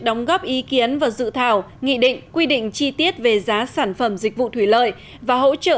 đóng góp ý kiến và dự thảo nghị định quy định chi tiết về giá sản phẩm dịch vụ thủy lợi và hỗ trợ